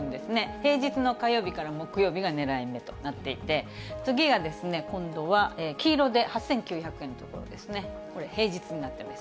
平日の火曜日から木曜日が狙い目となっていて、次が今度は黄色で８９００円のところですね、これ、平日になってます。